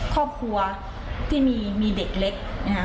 ครอบครัวที่มีเด็กเล็กนะคะ